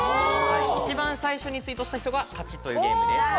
一番最初にツイートした人が勝ちというゲームです。